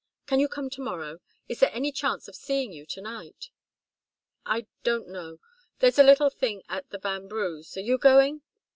Can you come to morrow? Is there any chance of seeing you to night?" "I don't know. There's a little thing at the Vanbrughs' are you going?"